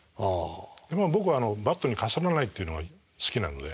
僕はバットにかすらないっていうのが好きなので。